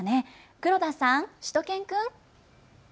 黒田さん、しゅと犬くん。